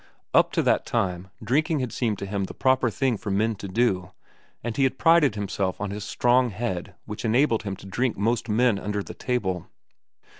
Up to that time, drinking had seemed to him the proper thing for men to do, and he had prided himself on his strong head which enabled him to drink most men under the table.